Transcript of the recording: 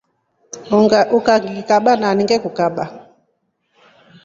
Ukanyikaba nani ngekukaba.